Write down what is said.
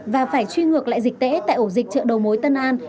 và phải truy ngược lại dịch tễ tại ổ dịch chợ đầu mối tân an